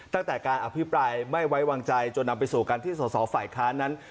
ตั้งแต่การอภิปรายไม่ไว้วางใจจนนำไปสู่การที่สอสอฝ่ายค้านนั้น